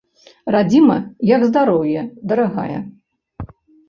Радзіма, як здароўе, дарагая!